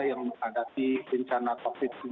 yang menghadapi bencana covid sembilan belas